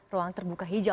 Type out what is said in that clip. ruang terbuka hijau